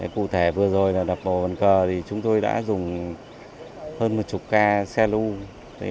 cụ thể vừa rồi là đập hồ bàn cờ thì chúng tôi đã dùng hơn một chục ca xe lưu